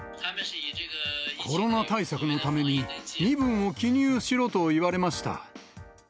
コロナ対策のために、身分を記入しろと言われました。